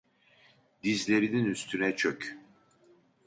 Dizlerinin üstüne çök!